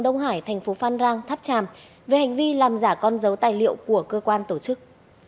đông hải thành phố phan rang tháp tràm về hành vi làm giả con dấu tài liệu của cơ quan tổ chức